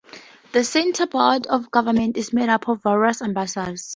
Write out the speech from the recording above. The center's board of governors is made up of various ambassadors.